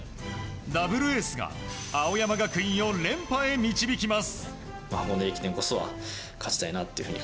ダブルエースが青山学院を連覇へ導きます。